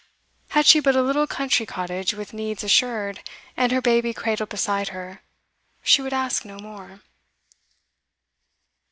Had she but a little country cottage with needs assured, and her baby cradled beside her, she would ask no more.